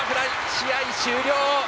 試合終了！